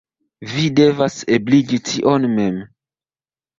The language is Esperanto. Vi devas ebligi tion mem.